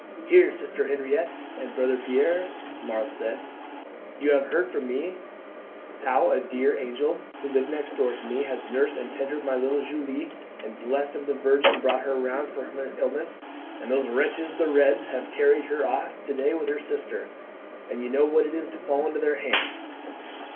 "Here, sister Henriette and brother Pierre," Marthe said; "you have heard from me how a dear angel, who lived next door to me, has nursed and tended my little Julie, and by blessing of the Virgin brought her round from her illness; and those wretches, the Reds, have carried her off to day with her sister, and you know what it is to fall into their hands.